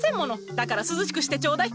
だから涼しくしてちょうだい！